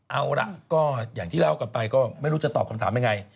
เอาล่ะก็อย่างที่เล่ากันไปก็ไม่รู้จะตอบคำถามยังไง